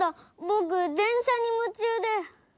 ぼくでんしゃにむちゅうで。